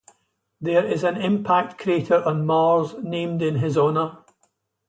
There is an impact crater on Mars named in his honor.